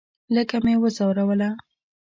لږه مې وځوروله.